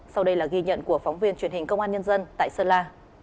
sau đây là ghi nhận của phóng viên truyền hình công an nhân dân tại sơn la